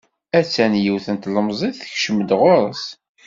A-tt-an yiwet n tlemẓit tekcem-d ɣur-s.